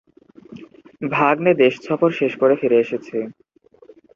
ভাগ্নে দেশ সফর শেষ করে ফিরে এসেছে।